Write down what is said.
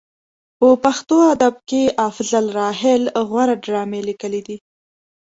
په پښتو ادب کې افضل راحل غوره ډرامې لیکلې دي.